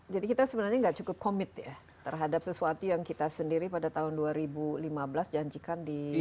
jadi kita sebenarnya gak cukup commit ya terhadap sesuatu yang kita sendiri pada tahun dua ribu lima belas janjikan di aris